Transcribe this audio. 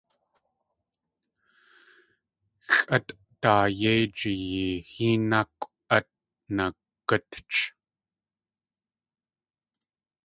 Xʼatʼdaayéejayi héenákʼw át nagútch.